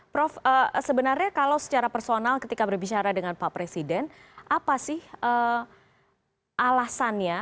prof sebenarnya kalau secara personal ketika berbicara dengan pak presiden apa sih alasannya